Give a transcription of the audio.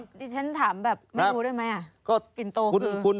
ที่ฉันถามแบบไม่รู้ด้วยไหม